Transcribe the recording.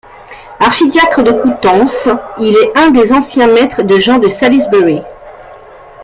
Archidiacre de Coutances, il est un des anciens maîtres de Jean de Salisbury.